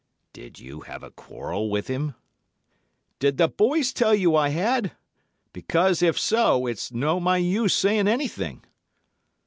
"'Did you have a quarrel with him?' "'Did the boys tell you I had? Because if so, it's no use my saying anything.